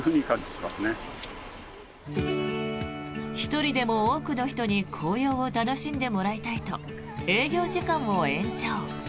１人でも多くの人に紅葉を楽しんでもらいたいと営業時間を延長。